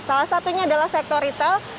salah satunya adalah sektor retail